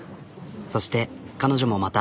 そして彼女もまた。